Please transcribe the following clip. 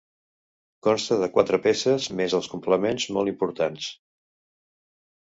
Consta de quatre peces més els complements, molt importants.